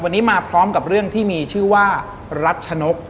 วันนี้มาพร้อมกับเรื่องที่มีชื่อว่ารัชนก